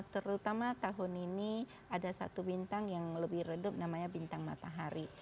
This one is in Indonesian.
terutama tahun ini ada satu bintang yang lebih redup namanya bintang matahari